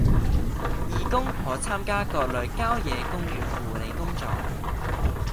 義工可參加各類郊野公園護理工作